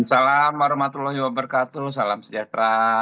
assalamualaikum warahmatullahi wabarakatuh salam sejahtera